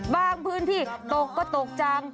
บางพื้นที่ตกก็ตกจัง